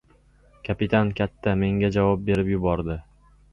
Kapitan katta menga javob berib yubordi.